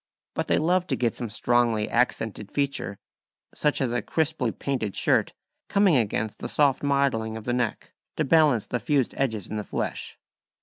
But they love to get some strongly accented feature, such as a crisply painted shirt coming against the soft modelling of the neck, to balance the fused edges in the flesh.